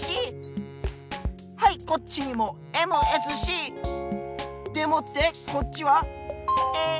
はいこっちにもＭＳＣ！でもってこっちはＡＳＣ！